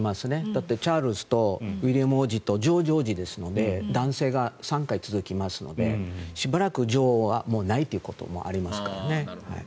だってチャールズとウィリアム王子とジョージ王子ですので男性が３回続きますのでしばらく女王はもうないということがありますね。